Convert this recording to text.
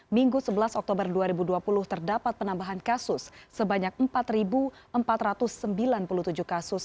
minggu sebelas oktober dua ribu dua puluh terdapat penambahan kasus sebanyak empat empat ratus sembilan puluh tujuh kasus